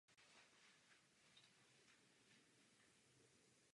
Z téhož roku pochází první písemná zmínka o hradu.